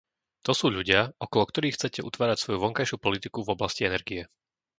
To sú ľudia, okolo ktorých chcete utvárať svoju vonkajšiu politiku v oblasti energie.